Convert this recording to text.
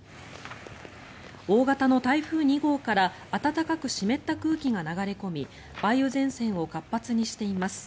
大型の台風２号から暖かく湿った空気が流れ込み梅雨前線を活発にしています。